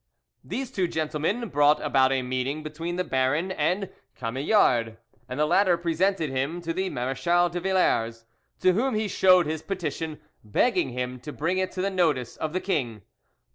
These two gentlemen brought about a meeting between the baron and Chamillard, and the latter presented him to the Marechal de Villars, to whom he showed his petition, begging him to bring it to the notice of the king; but M.